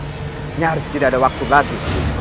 ini harus tidak ada waktu lagi